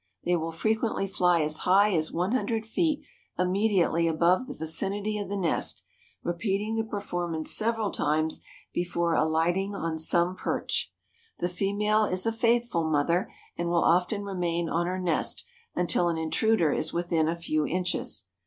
They will frequently fly as high as one hundred feet immediately above the vicinity of the nest, repeating the performance several times before alighting on some perch. The female is a faithful mother and will often remain on her nest until an intruder is within a few inches.